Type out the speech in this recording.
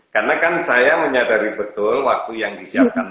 karena kan saya menyadari betul waktu yang disiapkan